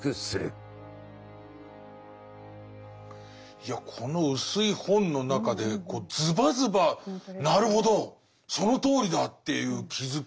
いやこの薄い本の中でズバズバなるほどそのとおりだっていう気付きが多いですね。